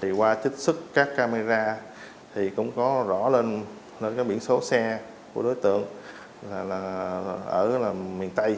thì qua trích xuất các camera thì cũng có rõ lên cái biển số xe của đối tượng là ở miền tây